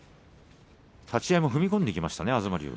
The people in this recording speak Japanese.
立ち合い踏み込んでいきましたね。